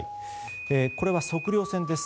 これは測量船です。